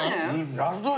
安い！